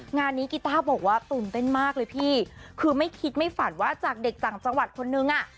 งานนี้กีต้าบอกว่าตื่นเต้นมากเลยพี่คือไม่คิดไม่ฝันว่าจากเด็กต่างจังหวัดคนนึงอ่ะ